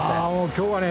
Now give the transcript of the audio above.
今日はね